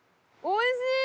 おいしい？